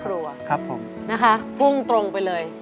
แล้วเราทำเรื่อย